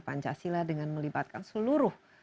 pancasila dengan melibatkan seluruh